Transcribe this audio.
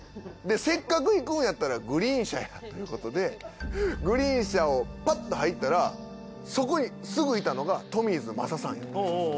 せっかく行くんやったらグリーン車やなということでグリーン車をパッと入ったらそこにすぐいたのがトミーズの雅さんやったらしいんすよ。